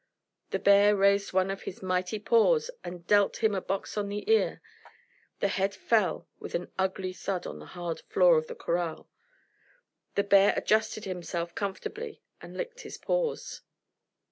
The bear raised one of his mighty paws and dealt him a box on the ear. The head fell with an ugly thud on the hard floor of the corral. The bear adjusted himself comfortably and licked his paws.